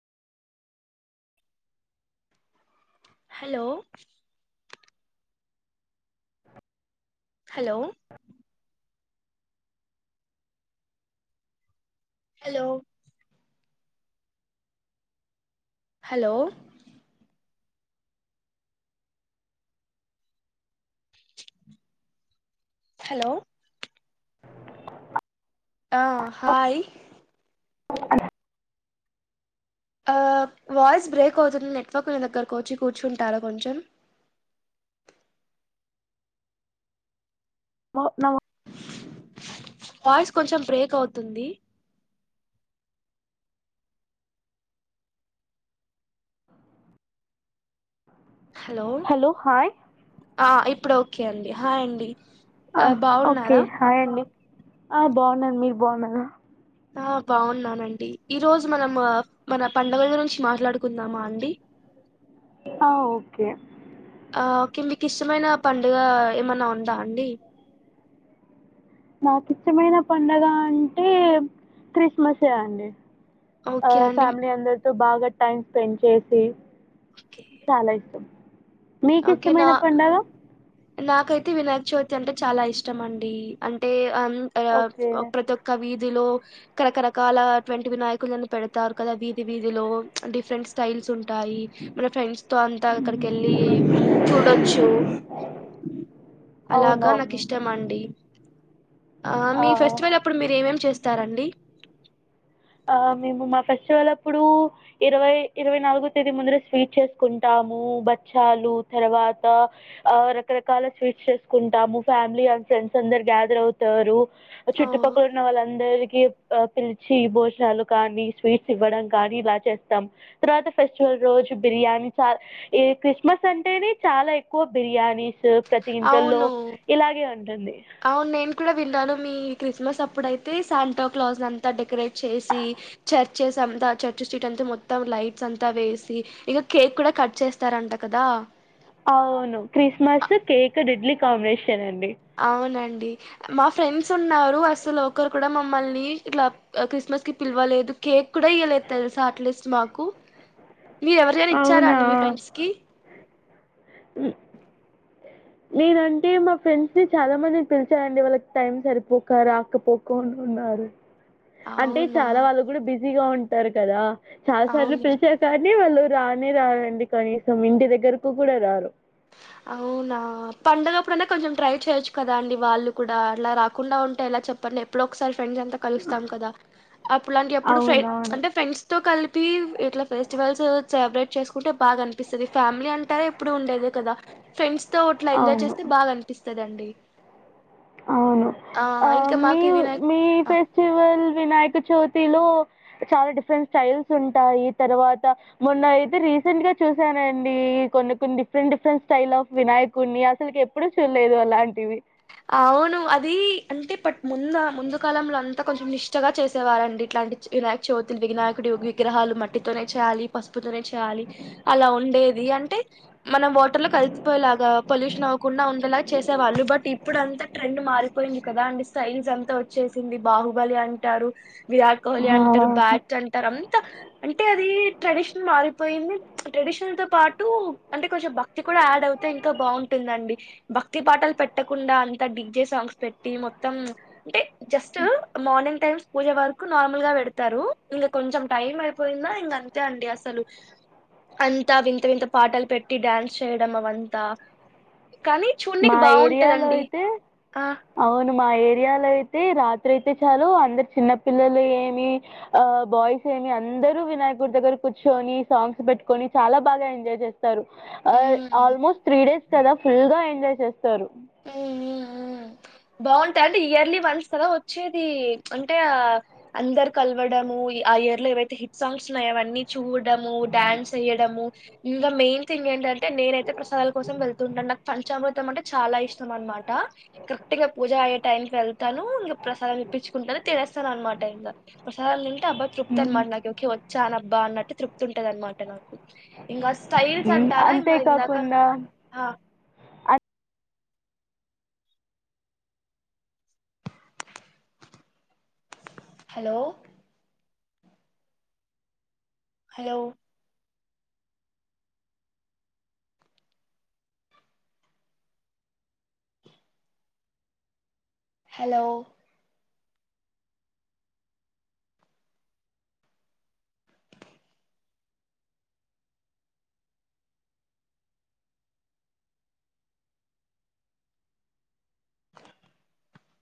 Hello hello hello hello hello ఆ hi ఆ voice break అవుతుంది నెట్వర్క్ న దగ్గరకు వచ్చి కూర్చుంటారా కొంచెం వావ్ నవో వాయిస్ కొంచెం బ్రేక్ అవుతుంది హలో హాయ్ ఆ ఇప్పుడు ఓకే అండి హాయ్ అండి ఆ ఓకే హాయండి ఆ బాగున్నాను మీరు బాగున్నారా ఆ బాగున్నానండి ఈ రోజు మనమ్ అ మన పండుగల గురించి మాట్లాడుకుందామండి ఆ ఓకే ఆ ఓకే మీకు ఇష్టంమైన పండుగ ఏమన్నా ఉందా అండి నాకు ఇష్టంమైన పండుగ అంటే క్రిస్మసే అండి ఆ ఓకే అండి ఫ్యామిలీ అందరితో బాగా టైమ్ స్పెండ్ చేసి చాలా ఇష్టం మీకు ఒకే నా ఇష్టమైన పండగ నా నాకైతే వినాయక చవితి అంటే చాలా ఇష్టం అండి అంటే హం ఆ ఓకే ప్రతోక్క విద్ దిలో కార్ కార్ రకాల అటువంటి వినాయకులని పెడతారు కదా వీధి వీధిలో డిఫరెంట్ స్టైల్స్ ఉం ఉంటాయి మన ఫ్రెండ్స్ తో అంతా అక్కడికి వెళ్లి చూడొచ్చు అలాగా నాకు అవునవును ఇష్టం అండి మీ ఫెస్టివల్ అప్పుడు మీరు ఎం ఎం చేస్తారండి ఆ మేము మా ఫెస్టివల్ అప్పుడు ఇరవై ఇరవై నాలుగో తేదీ ముందర స్వీట్ చేసుకుంటా టాము బచ్చలు తర్వాత రకరకాల స్వీట్స్ చేసుకుంటాము ఫ్యామిలీ అన్ ఫ్రెండ్స్ అందరు గ్యాదర్ అవుతారు ఓ చుట్టుపక్కల ఉన్న వాళ్ళందరికి పిలిచి భో చ్చలు కానీ స్వీట్స్ ఇవ్వడం కానీ ఇలా చేస్తాం తర్వాత ఫెస్టివల్ రోజు బిర్యానీ చాల్ ఈ క్రిస్మస్ అంటేనే చాలా ఏక్కువ బిర్యానీస్ ప్రతి ఇంట్లల్లో అవును ఇలాగే ఉంటుంది అవును నేను కూడా విన్నను మీ క్రిస్మస్ అప్ ప్పుడైతే సంతాక్లేస్ అంతా డెకరేట్ చేసి చర్చెస్ అంతా చర్చెస్టీట్ అంతా మొత్తం ల లైట్స్ అంతా వేసి ఈగ కేక్ కూడా కట్ చేస్తారు అంట కదా అవును అ- క్రిస్మస్ కేక్ డేడ్లీ కాంబినేషన్ అండి అవునండి మా ఫ్రెండ్స్ ఉన్నారు అసలు ఒకరు కూడా మమ్మల్ని ఇట్లా క్రిస్మస్ కి పిలవలేదు కేక్ కూడా ఇయ్యలేదు తెలుసా అట్లీస్ట్ మాకు మీ ఎవరైనా ఇచ్చారా అవునా అండి మీ ఫ్రెండ్స్ కి మ్ నేనంటే మా ఫ్రెండ్స్ ని చాలా మంది పిలిచాఅండి వాళ్ళకి టైం సరిపోక రాకపోకు కున్నారు అంటే అవునా చాలా వాళ్ళు కూడా బిజీగా ఉంటారు కదా చాలా సార్లు అవును పిలిచారు కానీ వాళ్ళు రానే రారు అండి కనీసం ఇంటి దగ్గరకు కూడా రారు అవునా పండగప్పుడన్న కొంచెం ట్రై చేయొచ్చు కదా అండి వాళ్ళు కూడా అలా రాకుండా ఉంటే ఎలా చెప్ పండి ఎప్పుడో ఒకసారి ఫ్రెండ్స్ అంత కలుస్తాం కదా అప్పుడులాంటి ఎప్పుడు అవునవును. అంటే ఫ్రెండ్స్ తో కలిపి ఇట్లా ఫెస్ట్ వేల్స్ సెల్బ్రేట్ చేసుకుంటే బాగా అనిపిస్తది ఫ్యామిలీ అంటే అది ఎప్పుడు ఉండేదే కదా ఫ్రెండ్స్ తో ఉంట్ల ఎంజాయ్ అవును. చేస్తే బాగా అనిపిస్తందండి అవును ఆ ఇంకా మీ మాకు వినాయక్ మీ ఆ ఫెస్టివల్ వినాయకచవితి లో చాలా డిఫరెంట్ స్టైల్స్ ఉంటాయి తర్వాత మొన్న అయితే రీ రీసెంట్ గా చూసానండి కొన్ని కొన్ని డిఫరెంట్ డిఫరెంట్ స్టైల్ ఆ వినాయకుడిని అసలుకి ఎప్పుడూ చూళ్ళేదు అలంటివి అవును అది అంటే పాట్ ముందా ముందు కాలంల అంతా కొంచెం నిష్టగా చేసేవారండి ఇట్లాంటి వినాయకచవితి వినాయకుడు విగ్రహాలు మట్టితోనే చేయాలి పసుపుతోనే చేయాలి అలా ఉండేది అంటే మనం వాటర్ లో కలిసిపోయేలాగా పొల్యూషన్ అవకుండా ఉండేలాగా చేసేవాళ్ళు బట్ ఇప్పుడు అంతా ట్రెండ్ మారిపోయింది కదా అంటే స్టైల్స్ అంతా వచ్చేసింది బాహుబలి అంటారు విరాట్ కోహ్లీ ఆహా అంటారు బాట్ అంటారు అంతా అంటే అది ట్రెడిషన్ మారిపోయింది ట్రెడిషనల్ తో పాటు అంటే కొచం భక్తి కూడా యాడ్ అవుతే ఇంకా బాగుంటుందండి భక్తి పాటల్ పెట్టకుండా అంతా డిగ్జే సాంగ్స్ పెట్టి మొత్తం అంటే జస్ట్ మార్నింగ్ టైమ్స్ పూజ వరకు నార్మల్ గా పెడుతారు ఇంగ కొంచం టైం అయిపోయిందా ఇంగ అంతే అండి అసలు అంతా వింత వింత పాటలు పెట్టి డ్యాన్స్ చేయడం అవంత కని చూనిక బాగు ఇయాల ఐతే అవును మా ఏరియాలో అయితే రాత్రి అయితే చాలు అందరు చిన్న పిల్లలు ఏమి ఆ బాయ్స్ మీ అందరు వినాయకుడి దగ్గర కూర్చొని సాంగ్స్ పెట్టుకోని చాలా బాగా ఎంజాయ్ చేస్ ఉమ్ ఆల్మోస్ట్ త్రీ డేస్ కదా ఫుల్ గా ఎంజాయ్ చేస్తారు మ్ మ్ బావుంటాది అంటే ఇయర్లీ ఒన్స్ కదా వచ్చేది అంటే అందరు కలువడము ఆ ఇయర్ లో ఏవైతే హిట్ సాంగ్స్ ఉన్నాయో అవన్నీ చూడము, డాన్స్ వేయడము, ఇంకా మెయిన్ థింగ్స్ ఏంటంటే అంటే నేనైతే ప్రసాదాల కోసం వెళ్తుంటాను నాకు పంచామృతం అంటే చాలా ఇష్టం అనమాట ఇం పూజ అయ్యే టైంకి వెళ్తాను ఇంకా ప్రసాదం ఇప్పించుకుంటాను తినేస్తాను అనమాట ప్రసాదం అబ్బా తృప్తి అనమాట నాకు కే వచ్చా అబ్బ అట్టు తృప్తి ఉంటది అనమాట నాకు ఇంకా స్టైల్స్ అ అంటారా ఇ ఇందాక అంతేకాకుండా హలో హలో హలో